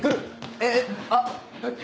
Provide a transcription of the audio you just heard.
えっあっ。